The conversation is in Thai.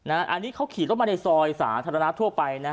อันนี้เขาขี่รถมาในซอยสาธารณะทั่วไป